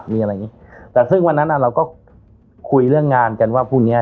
มีอะไรอย่างงี้แต่ซึ่งวันนั้นอ่ะเราก็คุยเรื่องงานกันว่าพรุ่งเนี้ย